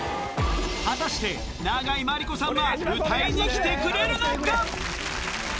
果たして永井真理子さんは歌いに来てくれるのか。